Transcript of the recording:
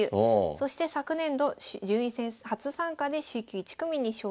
そして昨年度順位戦初参加でＣ級１組に昇級。